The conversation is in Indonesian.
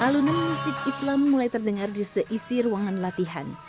alunan musik islam mulai terdengar di seisi ruangan latihan